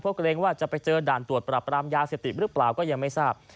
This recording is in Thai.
เพราะเกรงว่าจะไปเจอด่านตรวจปรับปรามยาเสพติดหรือเปล่าก็ยังไม่ทราบ